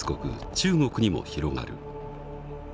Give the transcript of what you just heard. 中国にも広がる。